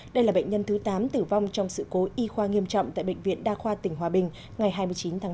đây là bệnh nhân thứ tám tử vong trong sự cố y khoa nghiêm trọng tại bệnh viện đa khoa tỉnh hòa bình ngày hai mươi chín tháng tám